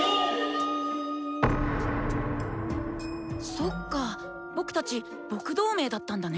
そっか僕たち「僕同盟」だったんだね。